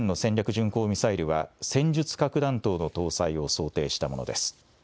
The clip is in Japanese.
巡航ミサイルは、戦術核弾頭の搭載を想定したものです。